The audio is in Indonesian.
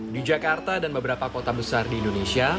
di jakarta dan beberapa kota besar di indonesia